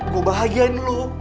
gue bahagiain lu